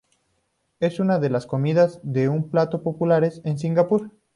Es una de las comidas de un plato populares en Singapur.